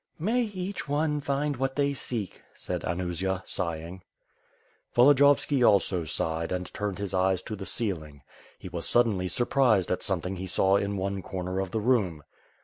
"May each one find what they seek," said Anusia, sighing. Volodiyovski also sighed and turned his eyes to the ceil ing. He was suddenly surprised at something he saw in one comer of the room.